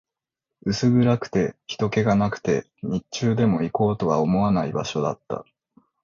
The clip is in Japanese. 薄暗くて、人気がなくて、日中でも行こうとは思わない場所だった